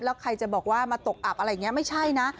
แล้วใครจะบอกว่ามาตกอับอะไรอย่างนี้ไม่ใช่นะ